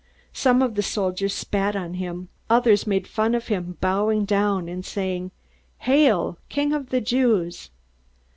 Some of the soldiers spat on him; others made fun of him, bowing down and saying, "Hail, king of the Jews!"